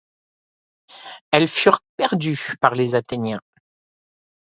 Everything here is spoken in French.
Elle fut perdue par les Athéniens.